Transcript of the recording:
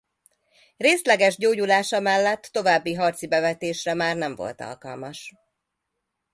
Részleges gyógyulása mellett további harci bevetésre már nem volt alkalmas.